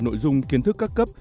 nội dung kiến thức các cấp